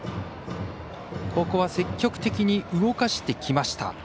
ここは積極的に動かしてきました。